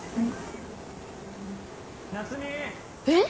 えっ！？